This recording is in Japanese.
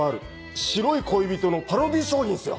「白い恋人」のパロディー商品っすよ。